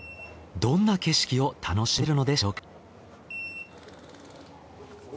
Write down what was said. どんな景色を楽しめるのでしょうか？